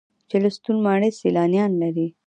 چهلستون ماڼۍ سیلانیان لري